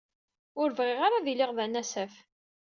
Ur bɣiɣ ara ad iliɣ d anasaf.